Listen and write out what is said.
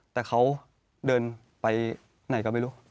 แต่เขาเดินไปไหนก็ไม่รู้